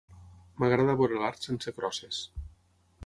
M'agrada veure l'art sense crosses.